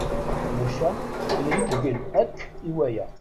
Maca ireggel akk i waya.